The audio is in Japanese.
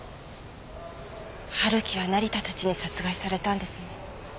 春樹は成田たちに殺害されたんですね。